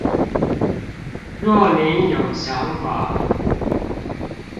若您有想法